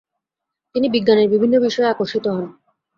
তিনি বিজ্ঞানের বিভিন্ন বিষয়ে আকর্ষিত হন।